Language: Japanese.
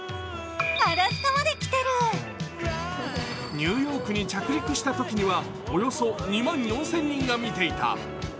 ニューヨークに着陸したときにはおよそ２万４０００人が見ていた。